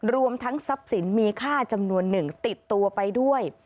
รวมทั้งทรัพย์สินมีค่าจำนวนหนึ่งติดตัวไปด้วย